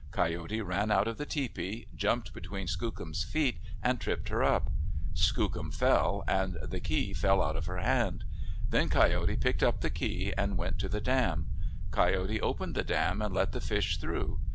Coyote ran out of the tepee, jumped between Skookum's feet and 123 MYTHS AND LEGENDS tripped her up. Skookum fell and the key fell out of her hand. Then Coyote picked up the key, and went to the dam. Coyote opened the dam and let the fish through.